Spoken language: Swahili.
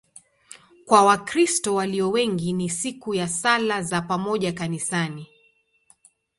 Kwa Wakristo walio wengi ni siku ya sala za pamoja kanisani.